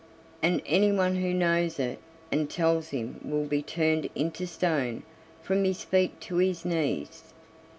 And anyone who knows it and tells him will be turned into stone from his feet to his knees."